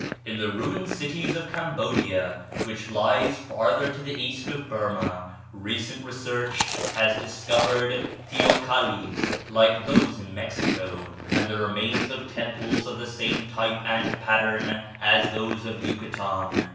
"In the ruined cities of Cambodia, which lies farther to the east of Burmah, recent research has discovered teocallis like those in Mexico, and the remains of temples of the same type and pattern as those of Yucatan.